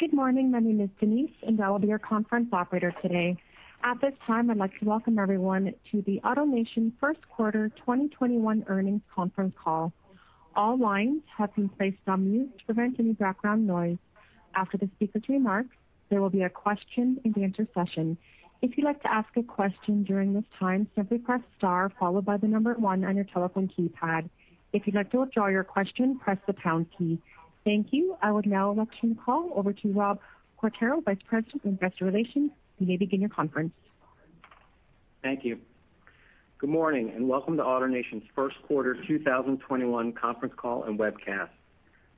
Good morning. My name is Denise, and I will be your conference operator today. At this time, I'd like to welcome everyone to the AutoNation First Quarter 2021 Earnings Conference Call. All lines have been placed on mute to prevent any background noise. After the speaker's remarks, there will be a question and answer session. If you'd like to ask a question during this time, simply press star followed by the number one on your telephone keypad. If you'd like to withdraw your question, press the pound key. Thank you. I would now like to turn the call over to Rob Quartaro, Vice President of Investor Relations. You may begin your conference. Thank you. Good morning, and welcome to AutoNation's first quarter 2021 conference call and webcast.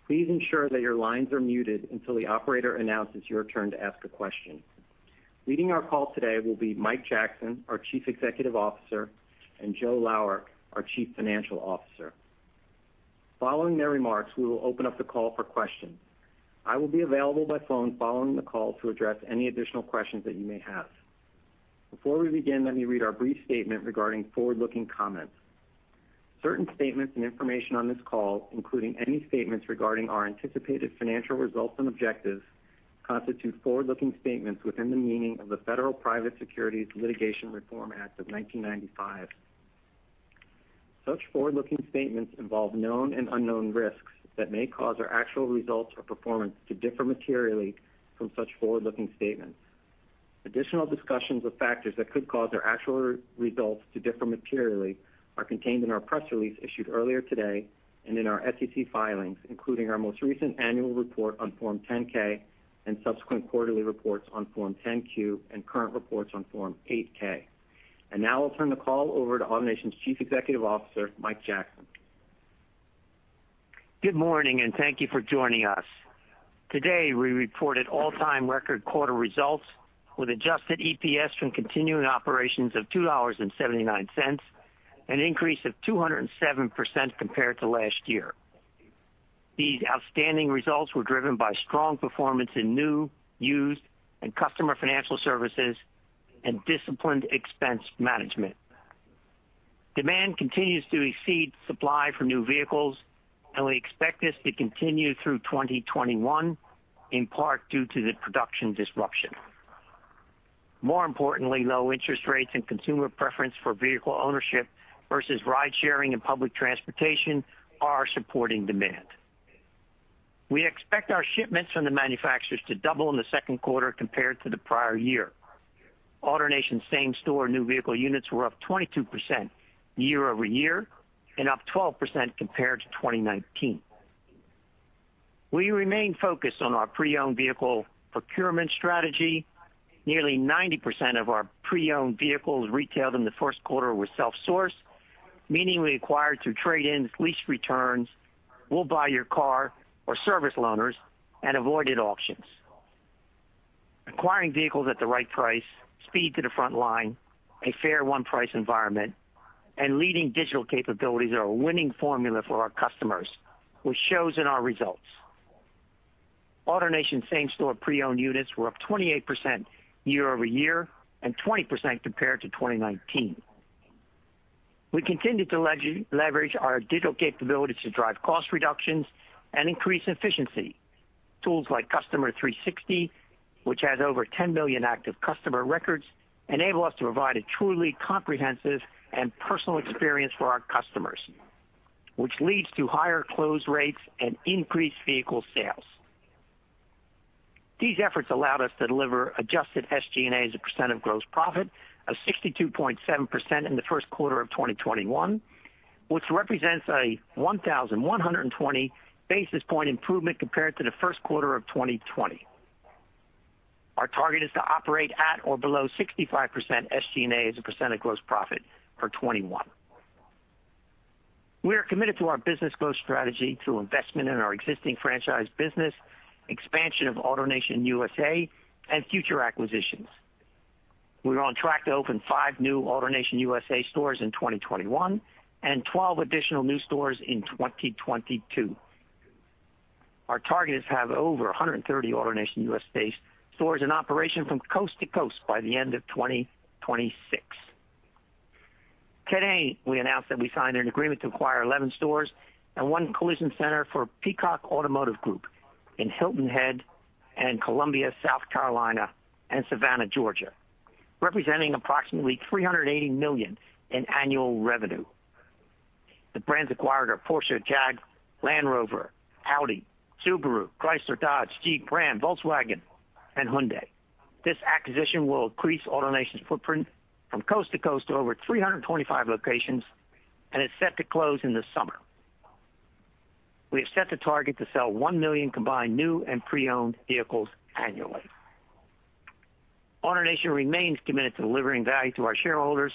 Please ensure that your lines are muted until the operator announces your turn to ask a question. Leading our call today will be Mike Jackson, our Chief Executive Officer, and Joe Lower, our Chief Financial Officer. Following their remarks, we will open up the call for questions. I will be available by phone following the call to address any additional questions that you may have. Before we begin, let me read our brief statement regarding forward-looking comments. Certain statements and information on this call, including any statements regarding our anticipated financial results and objectives, constitute forward-looking statements within the meaning of the Federal Private Securities Litigation Reform Act of 1995. Such forward-looking statements involve known and unknown risks that may cause our actual results or performance to differ materially from such forward-looking statements. Additional discussions of factors that could cause our actual results to differ materially are contained in our press release issued earlier today and in our SEC filings, including our most recent annual report on Form 10-K and subsequent quarterly reports on Form 10-Q and current reports on Form 8-K. Now I'll turn the call over to AutoNation's Chief Executive Officer, Mike Jackson. Good morning, and thank you for joining us. Today, we reported all-time record quarter results with adjusted EPS from continuing operations of $2.79, an increase of 207% compared to last year. These outstanding results were driven by strong performance in new, used, and Customer Financial Services and disciplined expense management. Demand continues to exceed supply for new vehicles, and we expect this to continue through 2021, in part due to the production disruption. More importantly, low interest rates and consumer preference for vehicle ownership versus ride-sharing and public transportation are supporting demand. We expect our shipments from the manufacturers to double in the second quarter compared to the prior year. AutoNation same-store new vehicle units were up 22% year-over-year and up 12% compared to 2019. We remain focused on our pre-owned vehicle procurement strategy. Nearly 90% of our pre-owned vehicles retailed in the first quarter were self-sourced, meaning we acquired through trade-ins, lease returns, We'll Buy Your Car or service loaners and avoided auctions. Acquiring vehicles at the right price, speed to the front line, a fair one-price environment, and leading digital capabilities are a winning formula for our customers, which shows in our results. AutoNation same-store pre-owned units were up 28% year-over-year and 20% compared to 2019. We continued to leverage our digital capabilities to drive cost reductions and increase efficiency. Tools like Customer 360, which has over 10 million active customer records, enable us to provide a truly comprehensive and personal experience for our customers, which leads to higher close rates and increased vehicle sales. These efforts allowed us to deliver adjusted SG&A as a percentage of gross profit of 62.7% in the first quarter of 2021, which represents a 1,120 basis point improvement compared to the first quarter of 2020. Our target is to operate at or below 65% SG&A as a % of gross profit for 2021. We are committed to our business growth strategy through investment in our existing franchise business, expansion of AutoNation USA, and future acquisitions. We're on track to open five new AutoNation USA stores in 2021 and 12 additional new stores in 2022. Our target is to have over 130 AutoNation USA stores in operation from coast to coast by the end of 2026. Today, we announced that we signed an agreement to acquire 11 stores and one collision center for Peacock Automotive Group in Hilton Head and Columbia, South Carolina, and Savannah, Georgia, representing approximately $380 million in annual revenue. The brands acquired are Porsche, Jaguar, Land Rover, Audi, Subaru, Chrysler, Dodge, Jeep, Ram, Volkswagen, and Hyundai. This acquisition will increase AutoNation's footprint from coast to coast to over 325 locations and is set to close in the summer. We have set a target to sell 1 million combined new and pre-owned vehicles annually. AutoNation remains committed to delivering value to our shareholders,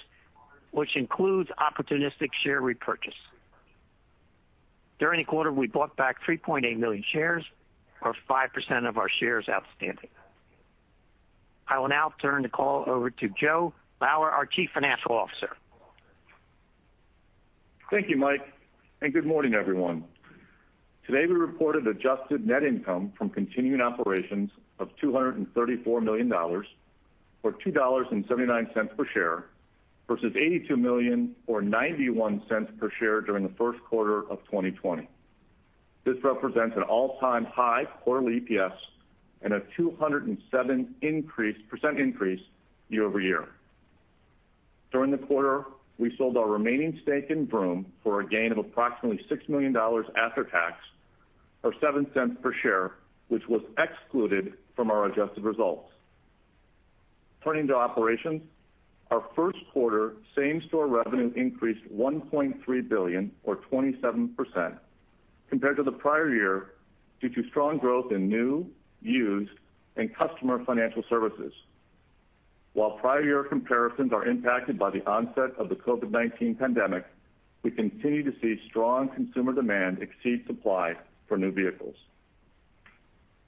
which includes opportunistic share repurchase. During the quarter, we bought back 3.8 million shares, or 5% of our shares outstanding. I will now turn the call over to Joe Lower, our Chief Financial Officer. Thank you, Mike. Good morning, everyone. Today, we reported adjusted net income from continuing operations of $234 million for $2.79 per share, versus $82 million, or $0.91 per share during the first quarter of 2020. This represents an all-time high quarterly EPS and a 207% increase year-over-year. During the quarter, we sold our remaining stake in Vroom for a gain of approximately $6 million after tax, or $0.07 per share, which was excluded from our adjusted results. Turning to operations, our first quarter same-store revenue increased $1.3 billion, or 27%, compared to the prior year, due to strong growth in new, used, and Customer Financial Services. While prior year comparisons are impacted by the onset of the COVID-19 pandemic, we continue to see strong consumer demand exceed supply for new vehicles.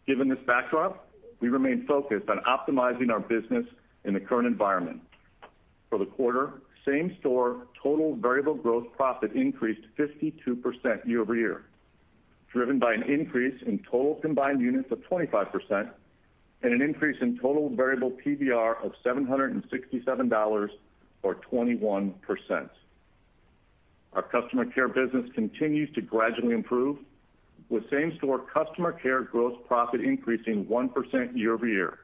Given this backdrop, we remain focused on optimizing our business in the current environment. For the quarter, same-store total variable gross profit increased 52% year-over-year, driven by an increase in total combined units of 25% and an increase in total variable PBR of $767 or 21%. Our customer care business continues to gradually improve, with same-store customer care gross profit increasing 1% year-over-year.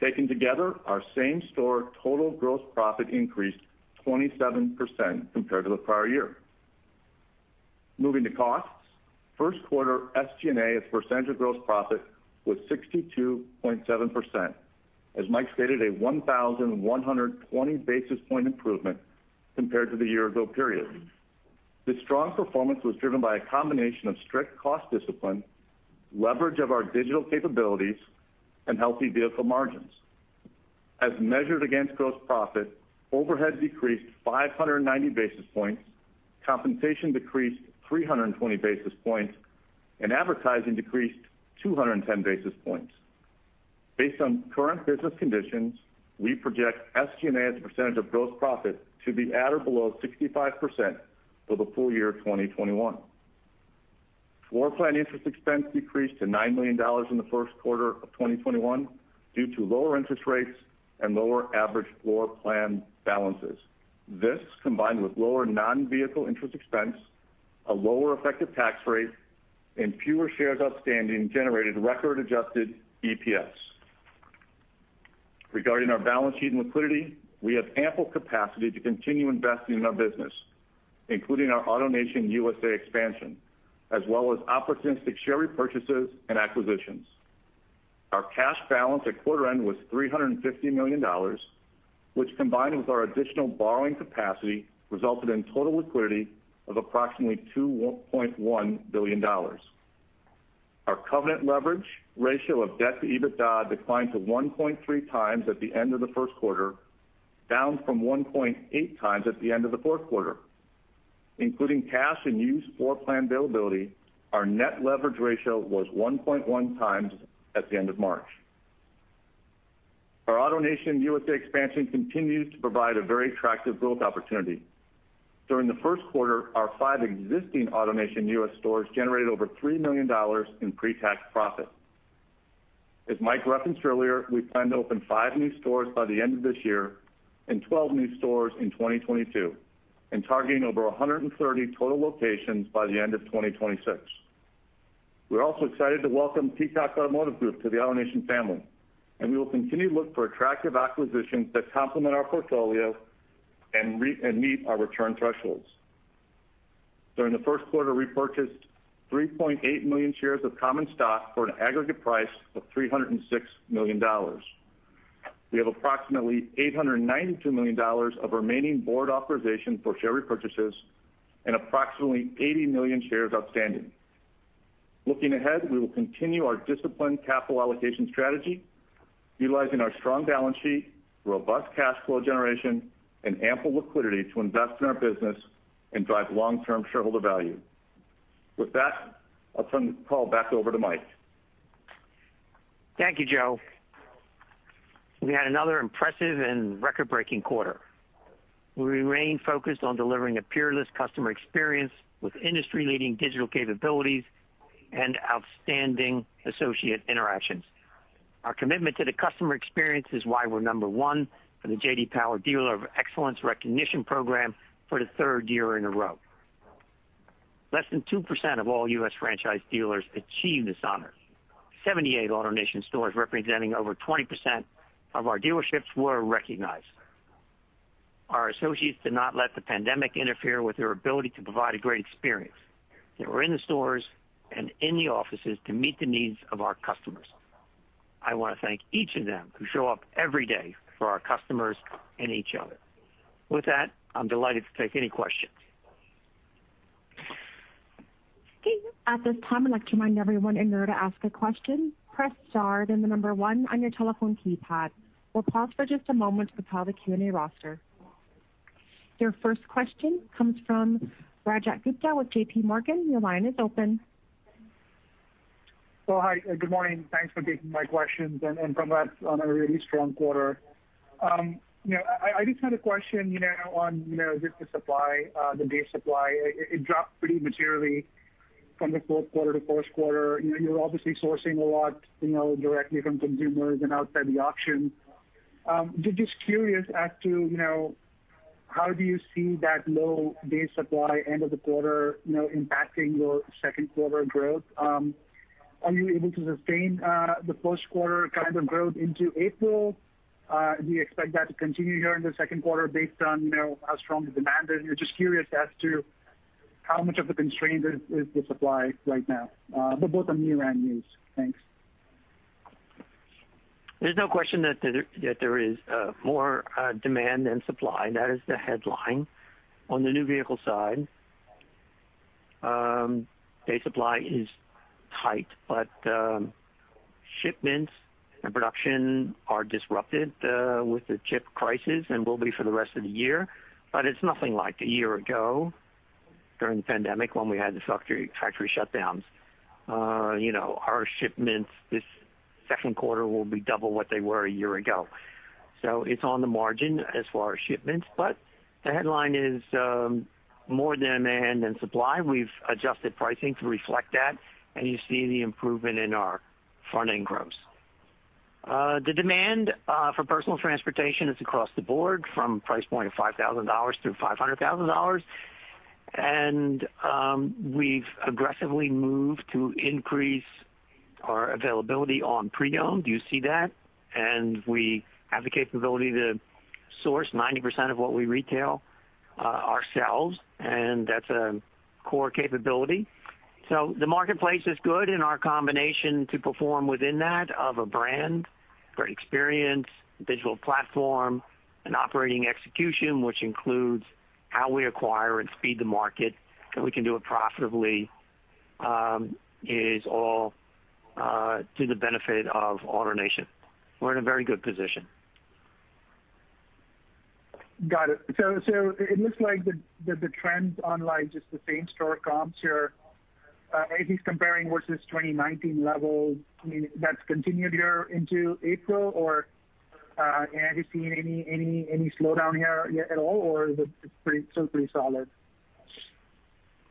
Taken together, our same-store total gross profit increased 27% compared to the prior year. Moving to costs, first quarter SG&A as percentage of gross profit was 62.7%. As Mike stated, a 1,120 basis point improvement compared to the year ago period. This strong performance was driven by a combination of strict cost discipline, leverage of our digital capabilities, and healthy vehicle margins. As measured against gross profit, overhead decreased 590 basis points, compensation decreased 320 basis points, and advertising decreased 210 basis points. Based on current business conditions, we project SG&A as a percentage of gross profit to be at or below 65% for the full year 2021. Floorplan interest expense decreased to $9 million in the first quarter of 2021 due to lower interest rates and lower average floorplan balances. This, combined with lower non-vehicle interest expense, a lower effective tax rate, and fewer shares outstanding, generated record adjusted EPS. Regarding our balance sheet and liquidity, we have ample capacity to continue investing in our business, including our AutoNation USA expansion, as well as opportunistic share repurchases and acquisitions. Our cash balance at quarter end was $350 million, which, combined with our additional borrowing capacity, resulted in total liquidity of approximately $2.1 billion. Our covenant leverage ratio of debt to EBITDA declined to 1.3x at the end of the first quarter, down from 1.8x at the end of the fourth quarter. Including cash and used floorplan availability, our net leverage ratio was 1.1x at the end of March. Our AutoNation USA expansion continues to provide a very attractive growth opportunity. During the first quarter, our five existing AutoNation USA stores generated over $3 million in pre-tax profit. As Mike referenced earlier, we plan to open five new stores by the end of this year and 12 new stores in 2022, and targeting over 130 total locations by the end of 2026. We're also excited to welcome Peacock Automotive Group to the AutoNation family, and we will continue to look for attractive acquisitions that complement our portfolio and meet our return thresholds. During the first quarter, we purchased 3.8 million shares of common stock for an aggregate price of $306 million. We have approximately $892 million of remaining board authorization for share repurchases and approximately 80 million shares outstanding. Looking ahead, we will continue our disciplined capital allocation strategy, utilizing our strong balance sheet, robust cash flow generation, and ample liquidity to invest in our business and drive long-term shareholder value. With that, I'll turn the call back over to Mike. Thank you, Joe. We had another impressive and record-breaking quarter. We remain focused on delivering a peerless customer experience with industry-leading digital capabilities and outstanding associate interactions. Our commitment to the customer experience is why we're number one for the J.D. Power Dealer of Excellence Program for the third year in a row. Less than 2% of all U.S. franchise dealers achieve this honor. 78 AutoNation stores, representing over 20% of our dealerships, were recognized. Our associates did not let the pandemic interfere with their ability to provide a great experience. They were in the stores and in the offices to meet the needs of our customers. I want to thank each of them who show up every day for our customers and each other. With that, I'm delighted to take any questions. At this time, I'd like to remind everyone, in order to ask a question, press star, then the number one on your telephone keypad. We'll pause for just a moment to compile the Q&A roster. Your first question comes from Rajat Gupta with JPMorgan. Your line is open. Well, hi. Good morning. Thanks for taking my questions, and congrats on a really strong quarter. I just had a question on the base supply. It dropped pretty materially from the fourth quarter to first quarter. You're obviously sourcing a lot directly from consumers and outside the auction. Just curious as to how do you see that low base supply end of the quarter impacting your second quarter growth? Are you able to sustain the first quarter kind of growth into April? Do you expect that to continue here in the second quarter based on how strong the demand is? Just curious as to how much of a constraint is the supply right now, but both on new and used. Thanks. There's no question that there is more demand than supply. That is the headline. On the new vehicle side, base supply is tight, shipments and production are disrupted with the chip crisis, and will be for the rest of the year. It's nothing like a year ago during the pandemic, when we had the factory shutdowns. Our shipments this second quarter will be double what they were a year ago. It's on the margin as far as shipments. The headline is more demand than supply. We've adjusted pricing to reflect that, and you see the improvement in our front-end gross. The demand for personal transportation is across the board, from price point of $5,000 through $500,000. We've aggressively moved to increase our availability on pre-owned- you see that. We have the capability to source 90% of what we retail ourselves, and that's a core capability. The marketplace is good, and our combination to perform within that of a brand, great experience, digital platform, and operating execution, which includes how we acquire and speed the market, and we can do it profitably, is all to the benefit of AutoNation. We're in a very good position. Got it. It looks like the trends online, just the same store comps here, at least comparing versus 2019 levels, that's continued here into April? Or have you seen any slowdown here yet at all, or is it still pretty solid?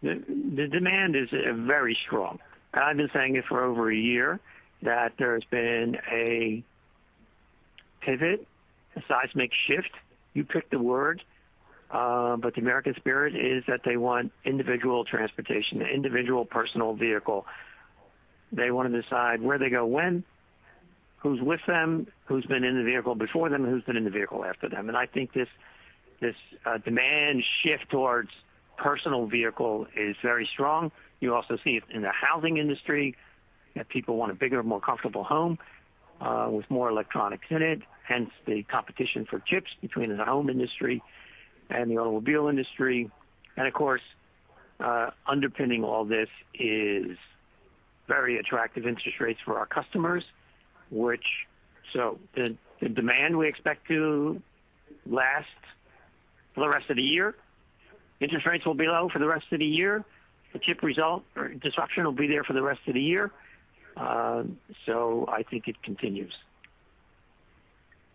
The demand is very strong. I've been saying it for over a year, that there's been a pivot, a seismic shift. You pick the word. The American spirit is that they want individual transportation, an individual personal vehicle. They want to decide where they go, when, who's with them, who's been in the vehicle before them, and who's been in the vehicle after them. I think this demand shift towards personal vehicle is very strong. You also see it in the housing industry, that people want a bigger, more comfortable home with more electronics in it, hence the competition for chips between the home industry and the automobile industry. Of course, underpinning all this is very attractive interest rates for our customers. The demand we expect to last for the rest of the year. Interest rates will be low for the rest of the year. The chip disruption will be there for the rest of the year. I think it continues.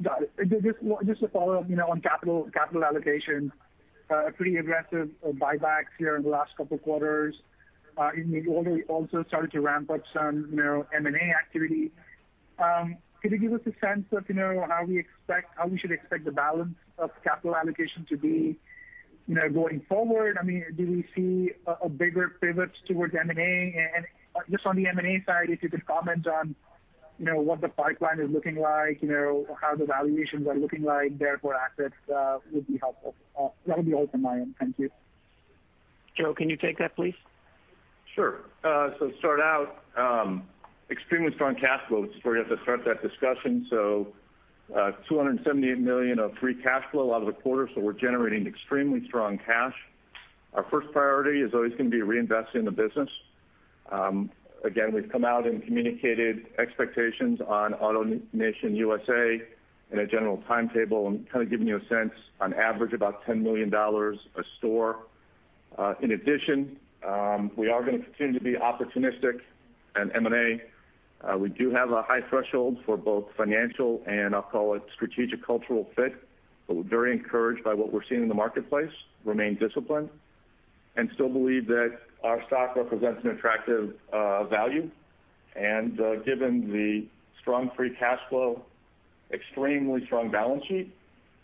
Got it. Just to follow up on capital allocation. Pretty aggressive buybacks here in the last couple of quarters. You also started to ramp up some M&A activity. Could you give us a sense of how we should expect the balance of capital allocation to be going forward? Do we see a bigger pivot towards M&A? Just on the M&A side, if you could comment on what the pipeline is looking like or how the valuations are looking like, therefore assets would be helpful. That would be helpful, Mike. Thank you. Joe, can you take that, please? Sure. To start out, extremely strong cash flow, just before we have to start that discussion. $278 million of free cash flow out of the quarter. We're generating extremely strong cash. Our first priority is always going to be reinvesting in the business. Again, we've come out and communicated expectations on AutoNation USA in a general timetable and kind of giving you a sense, on average, about $10 million a store. In addition, we are going to continue to be opportunistic in M&A. We do have a high threshold for both financial and I'll call it strategic cultural fit. We're very encouraged by what we're seeing in the marketplace, remain disciplined, and still believe that our stock represents an attractive value. Given the strong free cash flow, extremely strong balance sheet,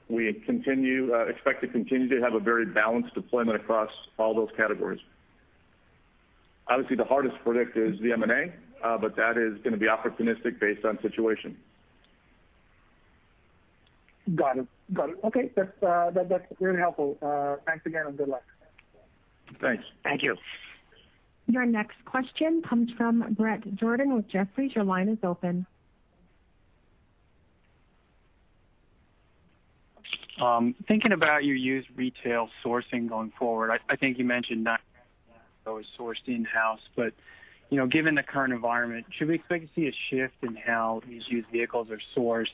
we expect to continue to have a very balanced deployment across all those categories. Obviously, the hardest to predict is the M&A, but that is going to be opportunistic based on situation. Got it. Okay. That's really helpful. Thanks again, and good luck. Thanks. Thank you. Your next question comes from Bret Jordan with Jefferies. Your line is open. Thinking about your used retail sourcing going forward, I think you mentioned not always sourced in-house. Given the current environment, should we expect to see a shift in how these used vehicles are sourced?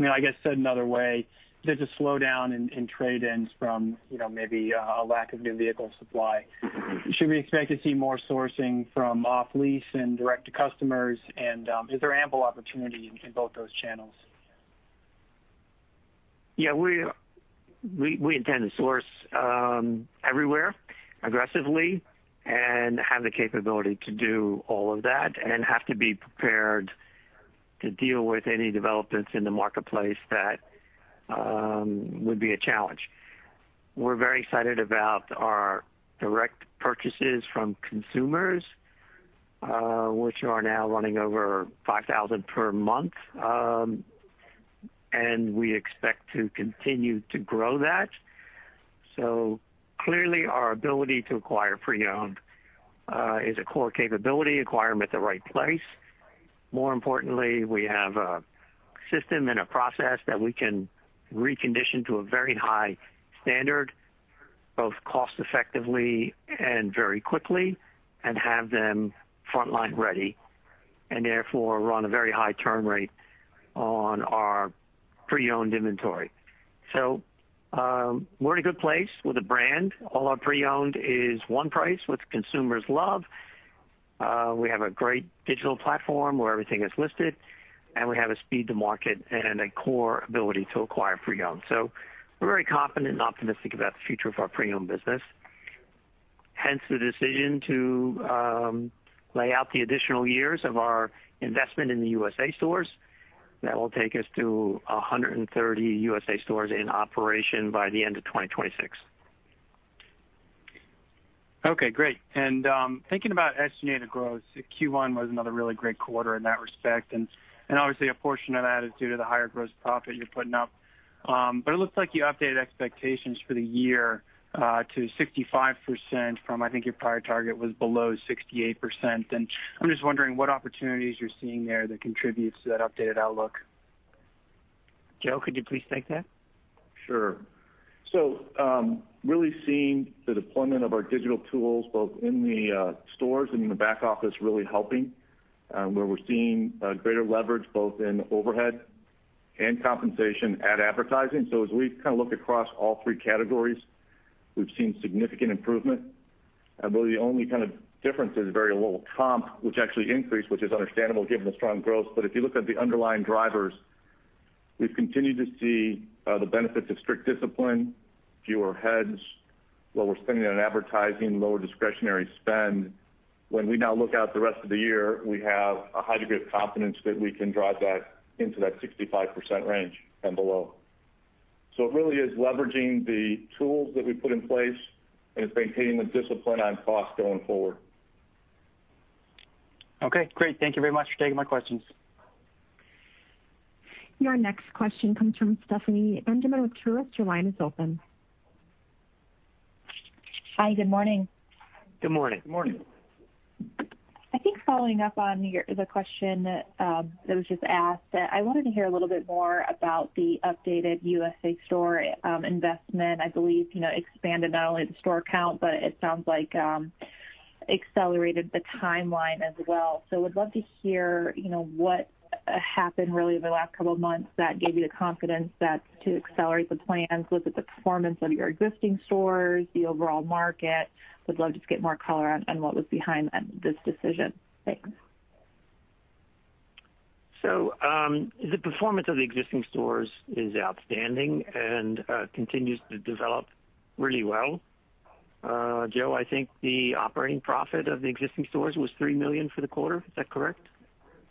I guess said another way. There's a slowdown in trade-ins from maybe a lack of new vehicle supply. Should we expect to see more sourcing from off lease and direct to customers? Is there ample opportunity in both those channels? Yeah, we intend to source everywhere aggressively and have the capability to do all of that and have to be prepared to deal with any developments in the marketplace that would be a challenge. We're very excited about our direct purchases from consumers, which are now running over 5,000 per month. We expect to continue to grow that. Clearly our ability to acquire pre-owned is a core capability, acquire them at the right place. More importantly, we have a system and a process that we can recondition to a very high standard, both cost effectively and very quickly, and have them frontline ready, and therefore run a very high turn rate on our pre-owned inventory. We're in a good place with the brand. All our pre-owned is one price, which consumers love. We have a great digital platform where everything is listed, and we have a speed to market and a core ability to acquire pre-owned. We're very confident and optimistic about the future of our pre-owned business, hence the decision to lay out the additional years of our investment in the USA stores that will take us to 130 USA stores in operation by the end of 2026. Okay, great. Thinking about estimated growth, Q1 was another really great quarter in that respect, and obviously a portion of that is due to the higher gross profit you're putting up. It looks like you updated expectations for the year to 65% from, I think your prior target was below 68%. I'm just wondering what opportunities you're seeing there that contributes to that updated outlook. Joe, could you please take that? Sure. Really seeing the deployment of our digital tools, both in the stores and in the back office, really helping. Where we're seeing greater leverage both in overhead and compensation, advertising. As we kind of look across all three categories, we've seen significant improvement. I believe the only kind of difference is very low comp, which actually increased, which is understandable given the strong growth. But, if you look at the underlying drivers, we've continued to see the benefits of strict discipline, fewer heads, lower spending on advertising, lower discretionary spend. When we now look out the rest of the year, we have a high degree of confidence that we can drive that into that 65% range and below. It really is leveraging the tools that we put in place and it's maintaining the discipline on cost going forward. Okay, great. Thank you very much for taking my questions. Your next question comes from [Stephanie Endemann] with Truist. Your line is open. Hi. Good morning. Good morning. Good morning. I think following up on the question that was just asked, I wanted to hear a little bit more about the updated USA store investment. I believe, expanded not only the store count, but it sounds like accelerated the timeline as well. Would love to hear what happened really over the last couple of months that gave you the confidence to accelerate the plans, look at the performance of your existing stores, the overall market. Would love to get more color on what was behind this decision. Thanks. The performance of the existing stores is outstanding and continues to develop really well. Joe, I think the operating profit of the existing stores was $3 million for the quarter. Is that correct?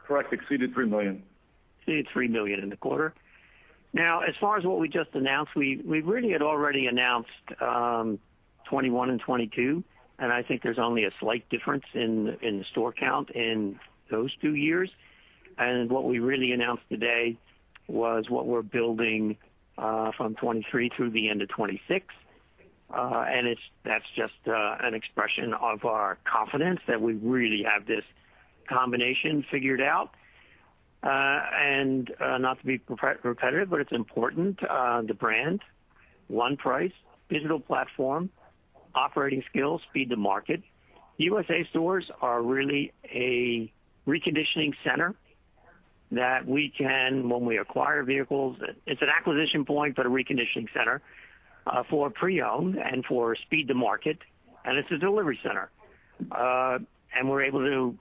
Correct. Exceeded 3 million. Exceeded $3 million in the quarter. Now, as far as what we just announced, we really had already announced 2021 and 2022, I think there's only a slight difference in the store count in those two years. What we really announced today was what we're building from 2023 through the end of 2026. That's just an expression of our confidence that we really have this combination figured out. Not to be repetitive, but it's important, the brand- one price, digital platform, operating skills, speed to market. USA stores are really a reconditioning center that we can, when we acquire vehicles, it's an acquisition point, but a reconditioning center, for pre-owned and for speed to market, and it's a delivery center. We're able to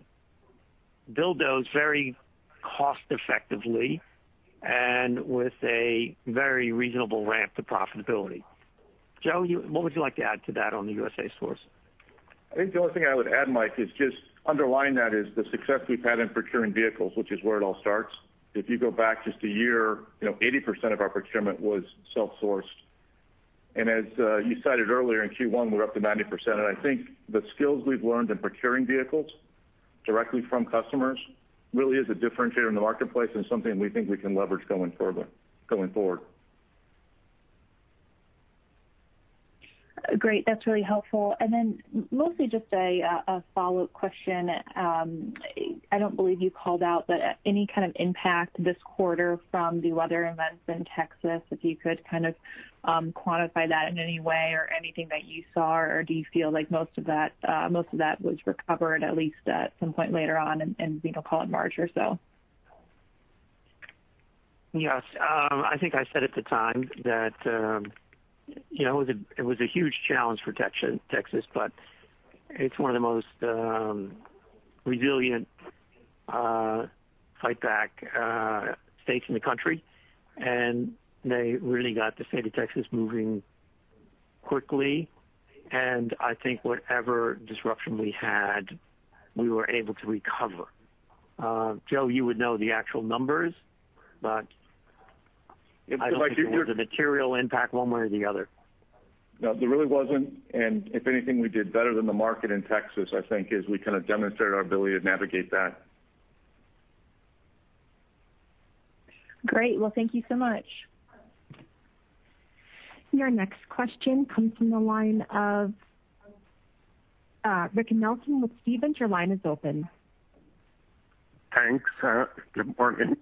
build those very cost effectively and with a very reasonable ramp to profitability. Joe, what would you like to add to that on the USA stores? I think the only thing I would add, Mike, is just underline that is the success we've had in procuring vehicles, which is where it all starts. If you go back just a year, 80% of our procurement was self-sourced. As you cited earlier, in Q1, we're up to 90%. I think the skills we've learned in procuring vehicles directly from customers really is a differentiator in the marketplace and something we think we can leverage going forward. Great. That's really helpful. Mostly just a follow-up question. I don't believe you called out, but any kind of impact this quarter from the weather events in Texas, if you could kind of quantify that in any way or anything that you saw, or do you feel like most of that was recovered at least at some point later on in, we can call it March or so? Yes. I think I said at the time that it was a huge challenge for Texas, but it's one of the most resilient fight-back states in the country, and they really got the state of Texas moving quickly, and I think whatever disruption we had, we were able to recover. Joe, you would know the actual numbers. If I could just- I don't think it was a material impact one way or the other. No, there really wasn't, and if anything, we did better than the market in Texas, I think, as we kind of demonstrated our ability to navigate that. Great. Well, thank you so much. Your next question comes from the line of Rick Nelson with Stephens. Your line is open. Thanks. Good morning,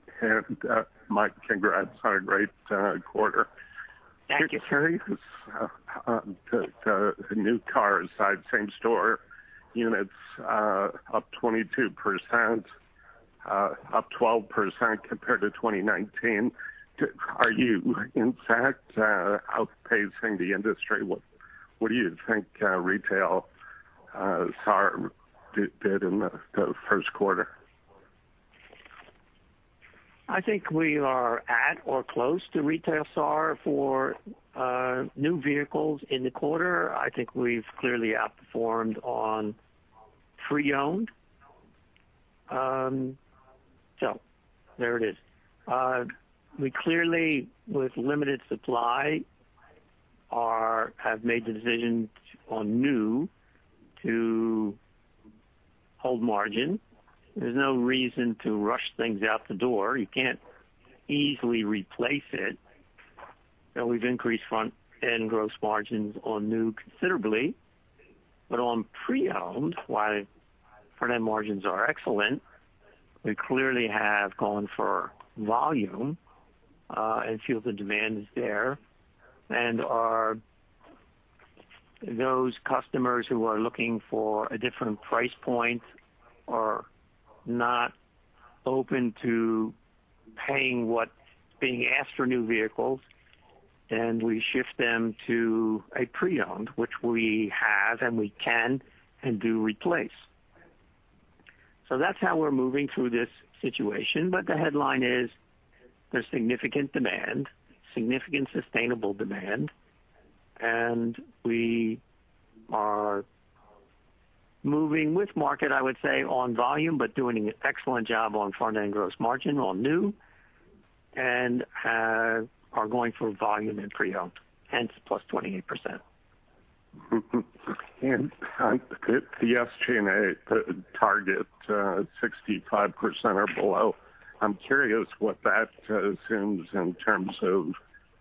Mike, congrats on a great quarter. Thank you. It carries the new cars side same store units up 22%, up 12% compared to 2019. Are you in fact outpacing the industry? What do you think retail SAAR did in the first quarter? I think we are at or close to retail SAAR for new vehicles in the quarter. I think we've clearly outperformed on pre-owned. There it is. We clearly, with limited supply, have made the decision on new to hold margin. There's no reason to rush things out the door. You can't easily replace it. We've increased front-end gross margins on new considerably, but on pre-owned, while front-end margins are excellent, we clearly have gone for volume and feel the demand is there, and are those customers who are looking for a different price point are not open to paying what's being asked for new vehicles, and we shift them to a pre-owned, which we have, and we can, and do replace. That's how we're moving through this situation. The headline is there's significant demand, significant sustainable demand, and we are moving with market, I would say, on volume, but doing an excellent job on front-end gross margin on new, and are going for volume in pre-owned, hence the plus 28%. The SG&A target 65% or below, I'm curious what that assumes in terms of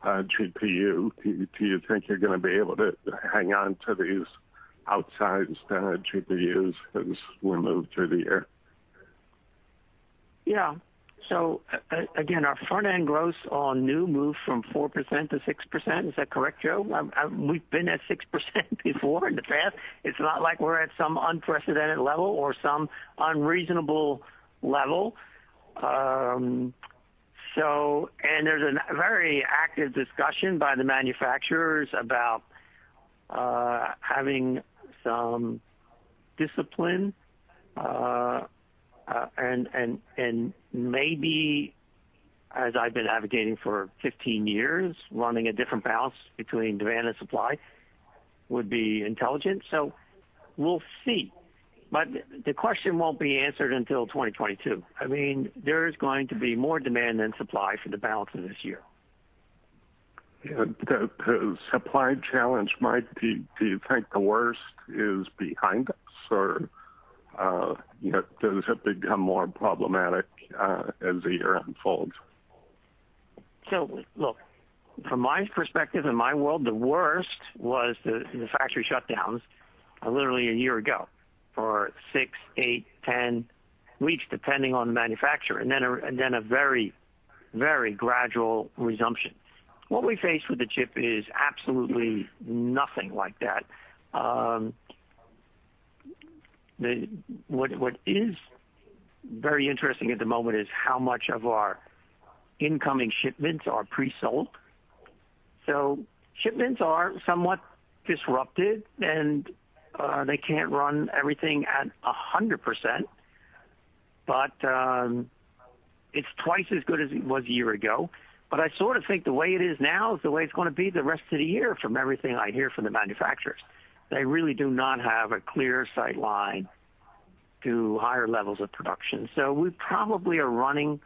GPU. Do you think you're going to be able to hang on to these outsized GPUs as we move through the year? Again, our front-end gross on new moved from 4% to 6%. Is that correct, Joe? We've been at 6% before in the past. It's not like we're at some unprecedented level or some unreasonable level. There's a very active discussion by the manufacturers about having some discipline, and maybe, as I've been advocating for 15 years, running a different balance between demand and supply would be intelligent. We'll see. The question won't be answered until 2022. There is going to be more demand than supply for the balance of this year. Yeah. The supply challenge, Mike, do you think the worst is behind us, or does it become more problematic as the year unfolds? Look, from my perspective, in my world, the worst was the factory shutdowns literally a year ago for six, eight, 10 weeks, depending on the manufacturer, and then a very gradual resumption. What we face with the chip is absolutely nothing like that. What is very interesting at the moment is how much of our incoming shipments are pre-sold. Shipments are somewhat disrupted, and they can't run everything at 100%, but it's twice as good as it was a year ago. I sort of think the way it is now is the way it's going to be the rest of the year, from everything I hear from the manufacturers. They really do not have a clear sight line to higher levels of production. We probably are running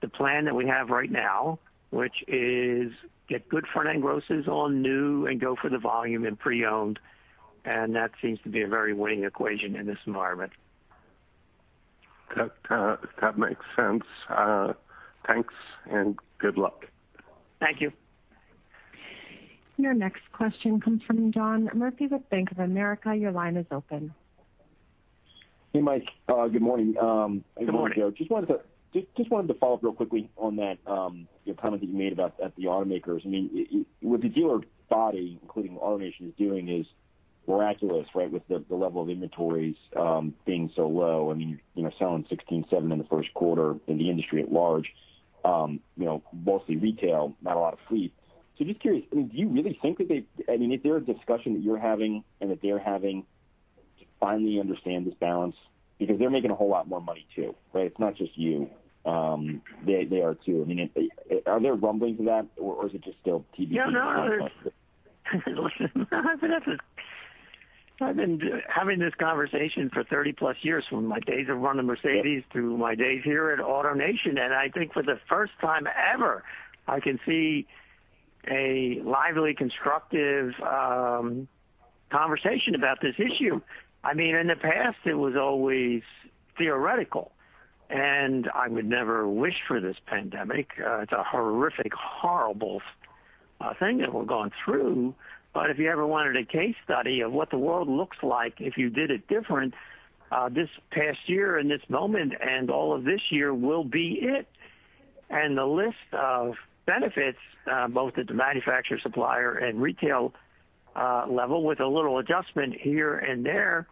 the plan that we have right now, which is get good front-end grosses on new and go for the volume in pre-owned, and that seems to be a very winning equation in this environment. That makes sense. Thanks, and good luck. Thank you. Your next question comes from John Murphy with Bank of America. Your line is open. Hey, Mike. Good morning. Good morning. Good morning, Joe. Just wanted to follow up real quickly on that comment that you made about the automakers. What the dealer body, including AutoNation, is doing is miraculous, right? With the level of inventories being so low. Selling [16.7] in the first quarter in the industry at large. Mostly retail, not a lot of fleet. Just curious, do you really think that there is a discussion that you're having and that they're having to finally understand this balance? Because they're making a whole lot more money, too, right? It's not just you. They are, too. Are there rumblings of that or is it just still TBD? Yeah, no. Listen, I've been having this conversation for 30-plus years, from my days of running Mercedes-Benz to my days here at AutoNation. I think for the first time ever, I can see a lively, constructive conversation about this issue. In the past, it was always theoretical. I would never wish for this pandemic. It's a horrific, horrible thing that we're going through. If you ever wanted a case study of what the world looks like, if you did it different, this past year and this moment and all of this year will be it. The list of benefits, both at the manufacturer, supplier, and retail level, with a little adjustment here and there,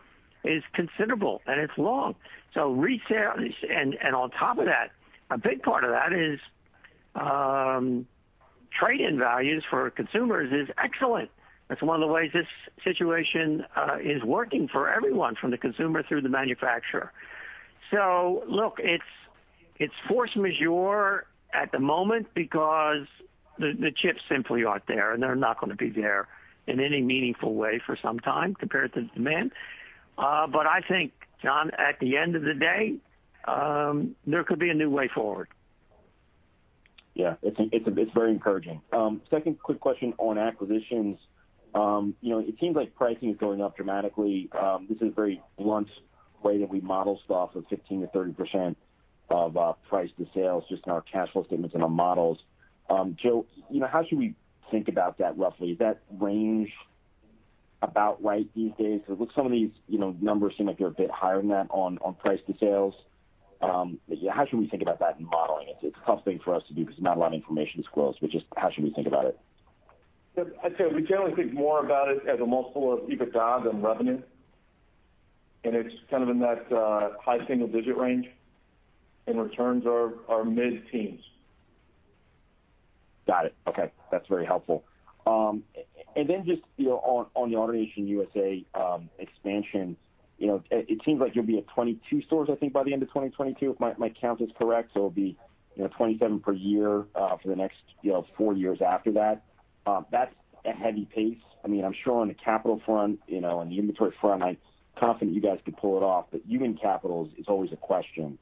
is considerable, and it's long. On top of that, a big part of that is trade-in values for consumers is excellent. That's one of the ways this situation is working for everyone, from the consumer through the manufacturer. Look, it's force majeure at the moment because the chips simply aren't there, and they're not going to be there in any meaningful way for some time compared to the demand. I think, John, at the end of the day, there could be a new way forward. It's very encouraging. Second quick question on acquisitions. It seems like pricing is going up dramatically. This is a very blunt way that we model stuff of 15%-30% of price-to-sales just in our cash flow statements and our models. Joe, how should we think about that roughly? Is that range about right these days? Because some of these numbers seem like they're a bit higher than that on price-to-sales. How should we think about that in modeling it? It's a tough thing for us to do because not a lot of information is disclosed, but just how should we think about it? I'd say we generally think more about it as a multiple of EBITDA than revenue, and it's kind of in that high single-digit range, and returns are mid-teens. Got it. Okay. That's very helpful. Just on the AutoNation USA expansion, it seems like you'll be at 22 stores, I think, by the end of 2022, if my count is correct. It'll be 27 per year for the next four years after that. That's a heavy pace. I'm sure on the capital front and the inventory front, I'm confident you guys could pull it off, but human capital is always a question,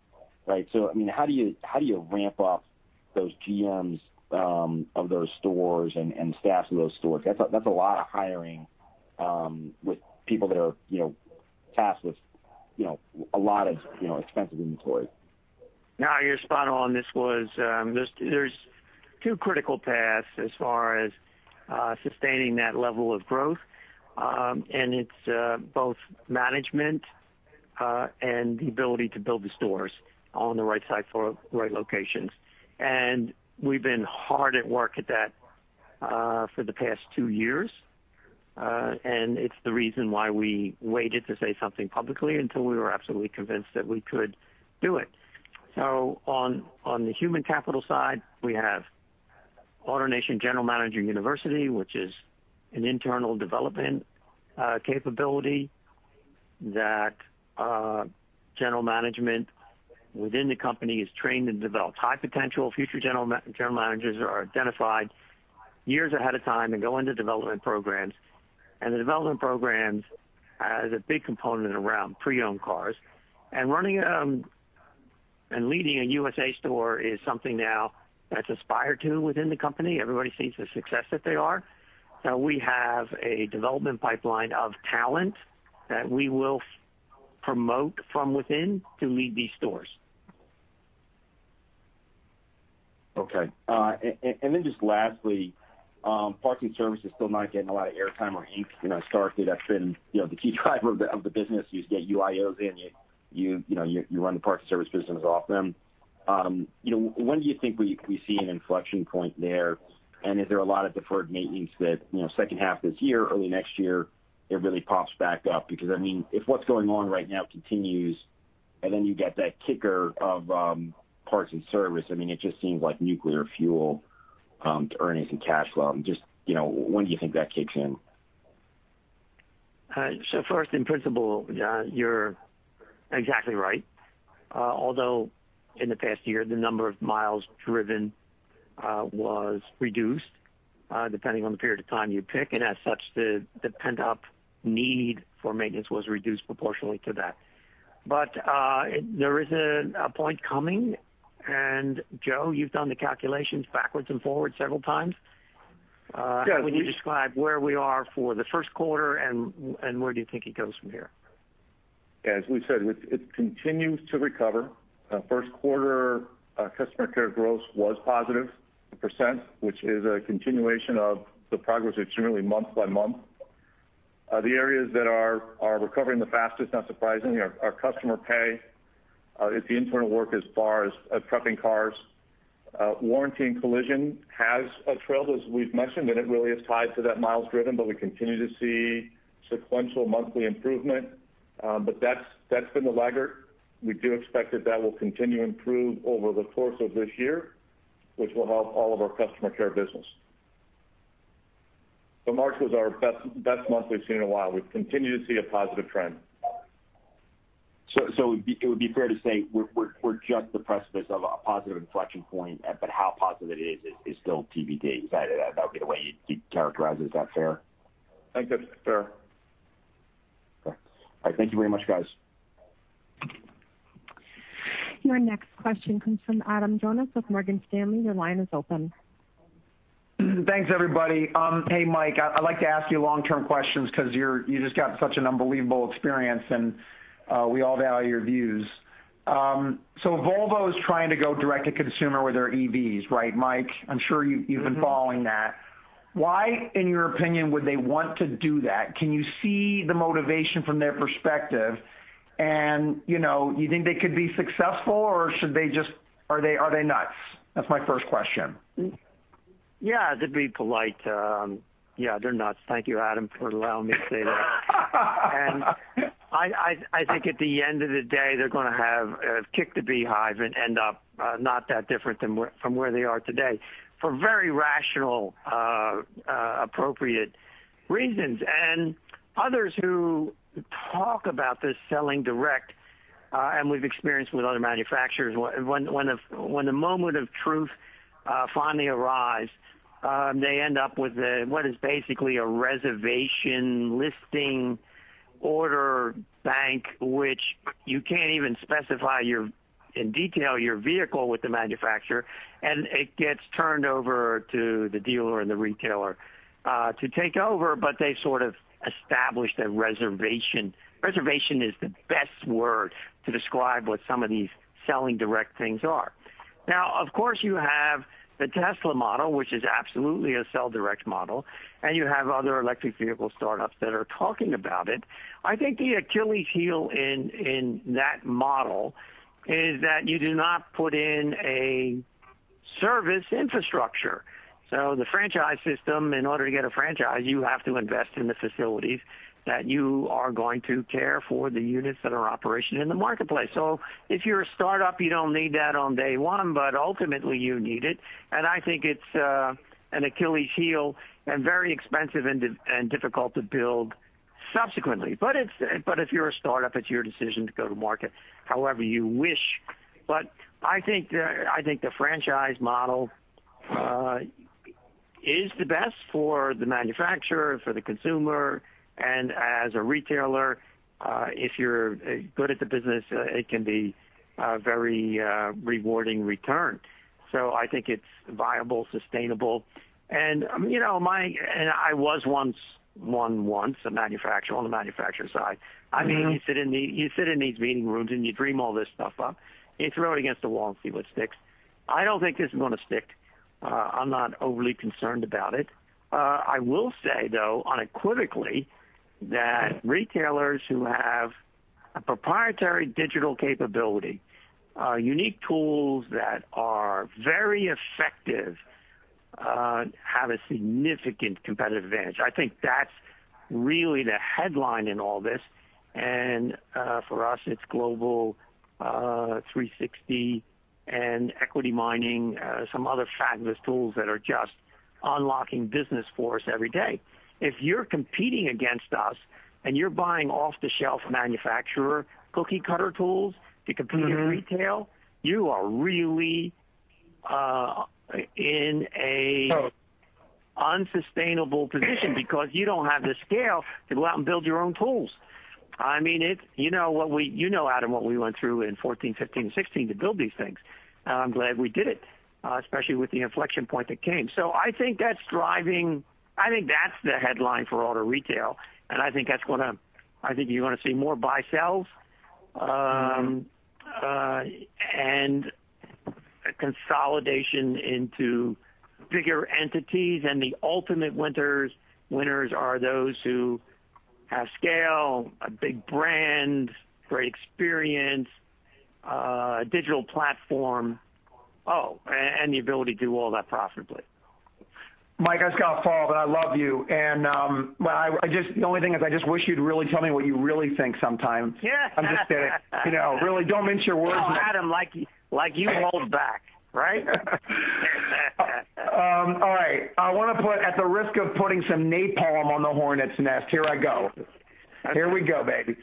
right? How do you ramp up those GMs of those stores and staffs of those stores? That's a lot of hiring with people that are tasked with a lot of expensive inventory. No, you're spot on. There's two critical paths as far as sustaining that level of growth, it's both management and the ability to build the stores on the right site for right locations. We've been hard at work at that for the past two years, it's the reason why we waited to say something publicly until we were absolutely convinced that we could do it. On the human capital side, we have AutoNation General Manager University, which is an internal development capability that general management within the company is trained and develops. High potential future general managers are identified years ahead of time and go into development programs. The development programs has a big component around pre-owned cars. Leading a USA store is something now that's aspired to within the company. Everybody sees the success that they are. We have a development pipeline of talent that we will promote from within to lead these stores. Okay. Just lastly, parts and service is still not getting a lot of airtime or ink. Historically, that's been the key driver of the business. You just get UIOs in, you run the parts and service business off them. When do you think we see an inflection point there? Is there a lot of deferred maintenance that second half of this year, early next year, it really pops back up? If what's going on right now continues, and then you get that kicker of parts and service, it just seems like nuclear fuel to earnings and cash flow. When do you think that kicks in? First, in principle, John, you're exactly right. Although in the past year, the number of miles driven was reduced, depending on the period of time you pick, and as such, the pent-up need for maintenance was reduced proportionally to that. There is a point coming, and Joe, you've done the calculations backwards and forwards several times. Yes. Would you describe where we are for the first quarter, and where do you think it goes from here? As we said, it continues to recover. First quarter customer care growth was positive percent, which is a continuation of the progress that's been really month-by-month. The areas that are recovering the fastest, not surprisingly, are customer pay. It's the internal work as far as prepping cars. Warranty and collision has trailed, as we've mentioned, and it really is tied to that miles driven, but we continue to see sequential monthly improvement. That's been the laggard. We do expect that that will continue improve over the course of this year, which will help all of our customer care business. March was our best month we've seen in a while. We continue to see a positive trend. It would be fair to say we're just the precipice of a positive inflection point, but how positive it is still TBD. Is that would be the way you'd characterize, is that fair? I think that's fair. Okay. All right. Thank you very much, guys. Your next question comes from Adam Jonas with Morgan Stanley. Your line is open. Thanks, everybody. Hey, Mike, I'd like to ask you long-term questions because you just got such an unbelievable experience and we all value your views. Volvo is trying to go direct to consumer with their EVs, right, Mike? I'm sure You've been following that. Why, in your opinion, would they want to do that? Can you see the motivation from their perspective? You think they could be successful or are they nuts? That's my first question. To be polite, yeah, they're nuts. Thank you, Adam, for allowing me to say that. I think at the end of the day, they're going to have kicked the beehive and end up not that different from where they are today for very rational, appropriate reasons. Others who talk about this selling direct, and we've experienced with other manufacturers, when the moment of truth finally arrives, they end up with what is basically a reservation listing order bank, which you can't even specify in detail your vehicle with the manufacturer, and it gets turned over to the dealer and the retailer to take over, but they've sort of established a reservation. Reservation is the best word to describe what some of these selling direct things are. Of course, you have the Tesla model, which is absolutely a sell direct model, and you have other electric vehicle startups that are talking about it. I think the Achilles heel in that model is that you do not put in a service infrastructure. The franchise system, in order to get a franchise, you have to invest in the facilities that you are going to care for the units in operation in the marketplace. If you're a startup, you don't need that on day one, but ultimately you need it. I think it's an Achilles heel and very expensive and difficult to build subsequently. If you're a startup, it's your decision to go to market however you wish. I think the franchise model is the best for the manufacturer, for the consumer, and as a retailer, if you're good at the business, it can be a very rewarding return. I think it's viable, sustainable. I was once one, once a manufacturer on the manufacturer side. You sit in these meeting rooms, and you dream all this stuff up. You throw it against the wall and see what sticks. I don't think this is going to stick. I'm not overly concerned about it. I will say, though, unequivocally that retailers who have a proprietary digital capability, unique tools that are very effective, have a significant competitive advantage. I think that's really the headline in all this. For us, it's Customer 360 and Equity Mining, some other fabulous tools that are just unlocking business for us every day. If you're competing against us and you're buying off-the-shelf manufacturer cookie cutter tools to compete. In retail, you are really, unsustainable position because you don't have the scale to go out and build your own tools. You know, Adam, what we went through in 2014, 2015, and 2016 to build these things. I'm glad we did it, especially with the inflection point that came. I think that's driving. I think that's the headline for auto retail. I think you're going to see more buy sells, and a consolidation into bigger entities. The ultimate winners are those who have scale, a big brand, great experience, a digital platform. Oh, and the ability to do all that profitably. Mike, I just got to follow, but I love you. The only thing is I just wish you'd really tell me what you really think sometimes. Yeah. I'm just kidding. Really, don't mince your words. Oh, Adam, like you hold back, right? All right. I want to put at the risk of putting some napalm on the hornets' nest, here I go. Here we go, baby.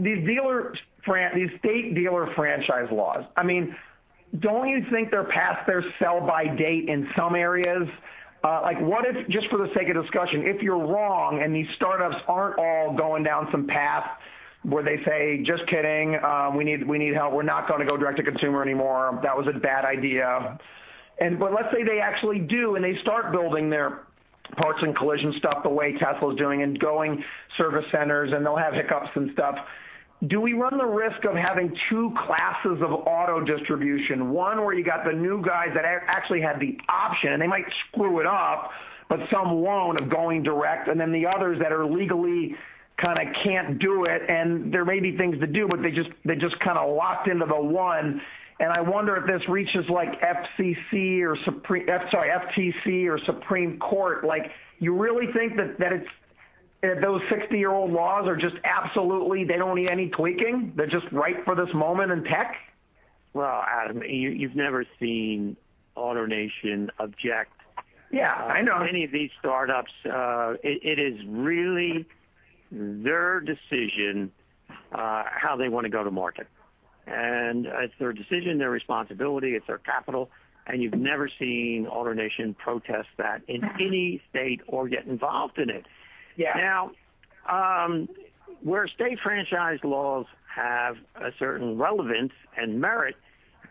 These state dealer franchise laws, don't you think they're past their sell by date in some areas? What if, just for the sake of discussion, if you're wrong and these startups aren't all going down some path where they say, "Just kidding, we need help. We're not going to go direct to consumer anymore. That was a bad idea. Let's say they actually do, and they start building their parts and collision stuff the way Tesla's doing and going service centers, and they'll have hiccups and stuff. Do we run the risk of having two classes of auto distribution, one where you got the new guys that actually have the option, and they might screw it up, but some won't, of going direct, and then the others that are legally can't do it, and there may be things to do, but they just locked into the one? I wonder if this reaches FTC or Supreme Court. You really think that those 60-year-old laws are just absolutely, they don't need any tweaking? They're just right for this moment in tech? Well, Adam, you've never seen AutoNation object- Yeah, I know. to any of these startups. It is really their decision how they want to go to market. It's their decision, their responsibility, it's their capital, and you've never seen AutoNation protest that in any state or get involved in it. Where state franchise laws have a certain relevance and merit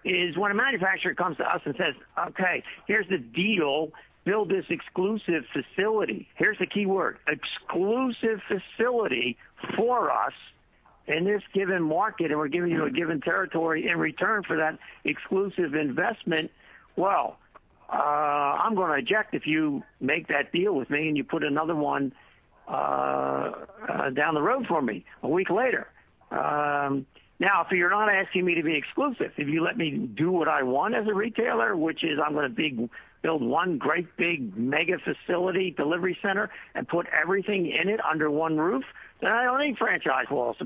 is when a manufacturer comes to us and says, "Okay, here's the deal, build this exclusive facility." Here's the key word, exclusive facility for us in this given market, we're giving you a given territory in return for that exclusive investment. Well, I'm going to object if you make that deal with me and you put another one down the road from me a week later. If you're not asking me to be exclusive, if you let me do what I want as a retailer, which is I'm going to build one great big mega facility delivery center and put everything in it under one roof, then I don't need franchise laws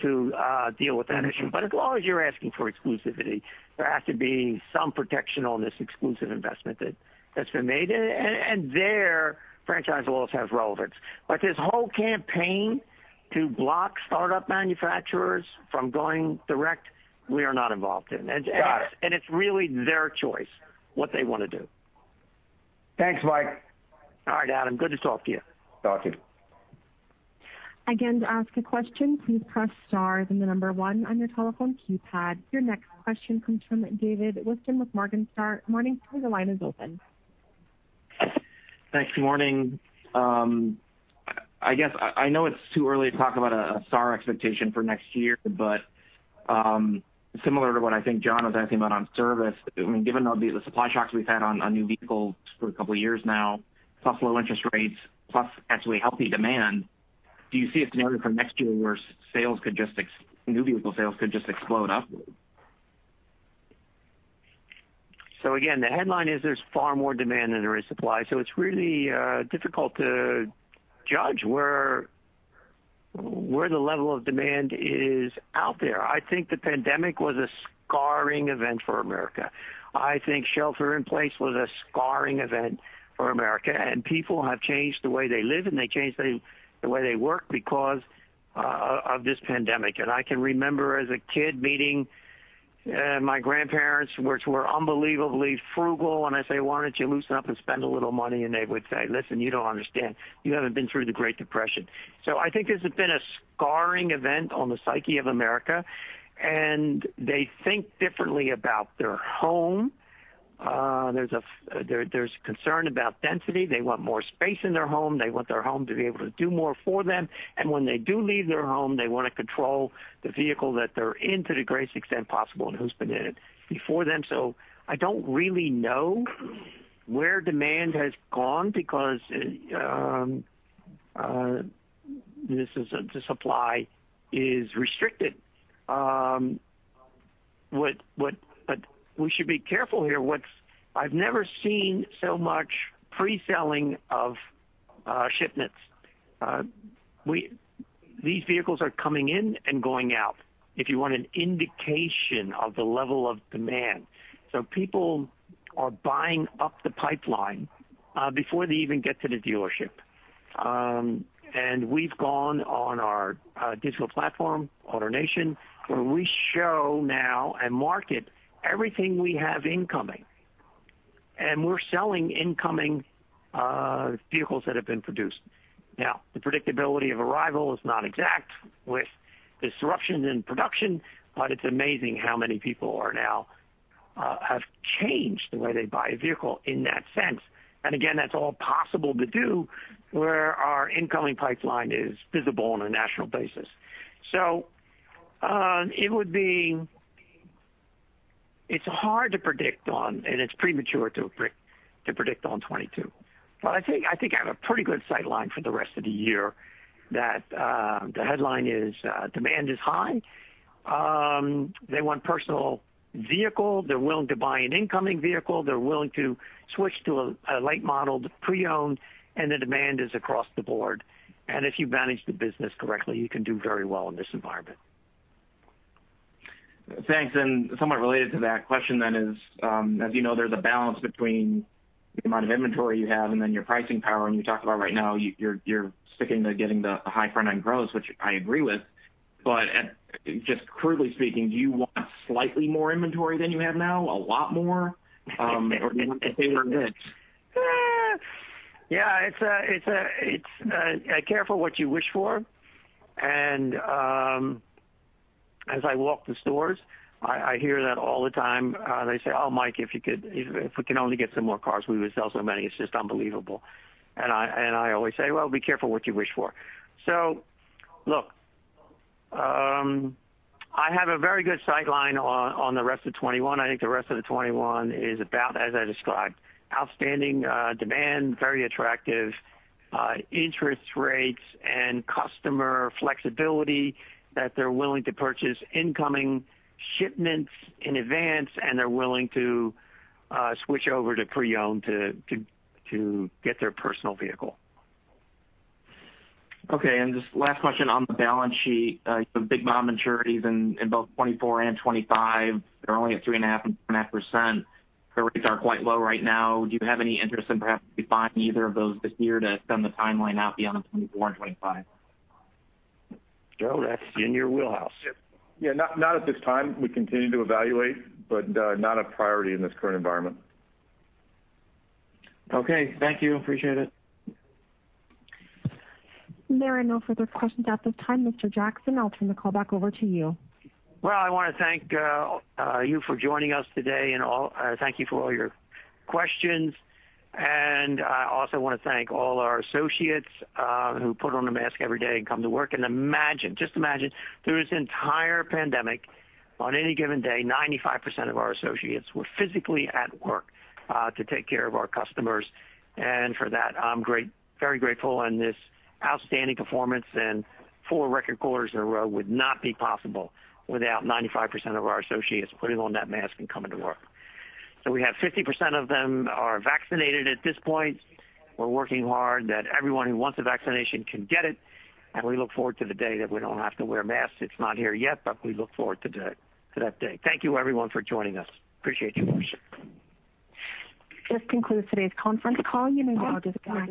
to deal with that issue. As long as you're asking for exclusivity, there has to be some protection on this exclusive investment that's been made. There, franchise laws have relevance. This whole campaign to block startup manufacturers from going direct, we are not involved in. It's really their choice what they want to do. Thanks, Mike. All right, Adam. Good to talk to you. Again, to ask a question, please press star, then the number one on your telephone keypad. Your next question comes from David Whiston with Morningstar. Morning, sir, your line is open. Thanks. Good morning. I guess I know it's too early to talk about a SAAR expectation for next year, but similar to what I think John was asking about on service, given the supply shocks we've had on new vehicles for a couple of years now, plus low interest rates, plus actually healthy demand, do you see a scenario for next year where new vehicle sales could just explode upward? Again, the headline is there's far more demand than there is supply. It's really difficult to judge where the level of demand is out there. I think the pandemic was a scarring event for America. I think shelter in place was a scarring event for America, and people have changed the way they live, and they changed the way they work because of this pandemic. I can remember as a kid meeting my grandparents, which were unbelievably frugal, and I'd say, "Why don't you loosen up and spend a little money?" They would say, "Listen, you don't understand. You haven't been through the Great Depression." I think this has been a scarring event on the psyche of America, and they think differently about their home. There's concern about density. They want more space in their home. They want their home to be able to do more for them. When they do leave their home, they want to control the vehicle that they're in to the greatest extent possible and who's been in it before them. I don't really know where demand has gone because the supply is restricted. We should be careful here. I've never seen so much pre-selling of shipments. These vehicles are coming in and going out if you want an indication of the level of demand. People are buying up the pipeline before they even get to the dealership. We've gone on our digital platform, AutoNation, where we show now and market everything we have incoming. We're selling incoming vehicles that have been produced. The predictability of arrival is not exact with disruptions in production, but it's amazing how many people have changed the way they buy a vehicle in that sense. Again, that's all possible to do where our incoming pipeline is visible on a national basis. It's hard to predict on, and it's premature to predict on 2022. I think I have a pretty good sight line for the rest of the year that the headline is demand is high. They want personal vehicle. They're willing to buy an incoming vehicle. They're willing to switch to a light modeled, the pre-owned, and the demand is across the board. If you manage the business correctly, you can do very well in this environment. Thanks. Somewhat related to that question then is, as you know, there's a balance between the amount of inventory you have and then your pricing power. You talked about right now, you're sticking to getting the high front-end gross, which I agree with. Just crudely speaking, do you want slightly more inventory than you have now? A lot more? Do you want to stay where it is? Yeah. Careful what you wish for. As I walk the stores, I hear that all the time. They say, "Oh, Mike, if we can only get some more cars, we would sell so many. It's just unbelievable." I always say, "Well, be careful what you wish for." Look, I have a very good sight line on the rest of 2021. I think the rest of the 2021 is about as I described, outstanding demand, very attractive interest rates and customer flexibility that they're willing to purchase incoming shipments in advance, and they're willing to switch over to pre-owned to get their personal vehicle. Okay. Just last question on the balance sheet. You have big bond maturities in both 2024 and 2025. They're only at 3.5%. The rates are quite low right now. Do you have any interest in perhaps refine either of those this year to extend the timeline out beyond the 2024 and 2025? Joe, that's in your wheelhouse. Yeah. Not at this time. We continue to evaluate, but not a priority in this current environment. Okay. Thank you. Appreciate it. There are no further questions at this time, Mr. Jackson. I'll turn the call back over to you. Well, I want to thank you for joining us today, and thank you for all your questions. I also want to thank all our associates who put on a mask every day and come to work. Just imagine, through this entire pandemic, on any given day, 95% of our associates were physically at work to take care of our customers. For that, I'm very grateful. This outstanding performance and four record quarters in a row would not be possible without 95% of our associates putting on that mask and coming to work. We have 50% of them are vaccinated at this point. We're working hard that everyone who wants a vaccination can get it, and we look forward to the day that we don't have to wear masks. It's not here yet, but we look forward to that day. Thank you everyone for joining us. Appreciate you. This concludes today's conference call. You may now disconnect.